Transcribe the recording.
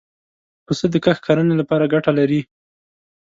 پسه د کښت کرنې له پاره ګټه لري.